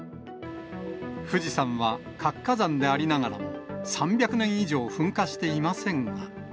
富士山は活火山でありながらも３００年以上噴火していませんが。